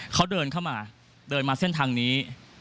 เขาเดินเข้ามาเดินมาเส้นทางนี้